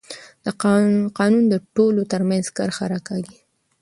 قانون د ټولو ترمنځ کرښه راکاږي